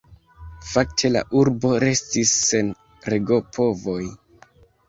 Fakte la urbo restis sen regopovoj.